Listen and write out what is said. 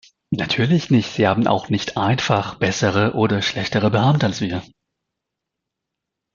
Natürlich nicht, sie haben auch nicht einfach bessere oder schlechtere Beamte als wir!